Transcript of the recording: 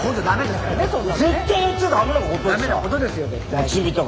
だめなことですよ絶対。